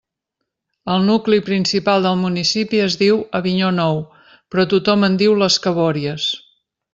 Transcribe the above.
El nucli principal del municipi es diu Avinyó Nou, però tothom en diu Les Cabòries.